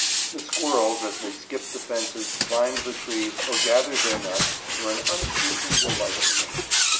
The squirrels, as they skipped the fences, climbed the trees, or gathered their nuts, were an unceas ing delight to me.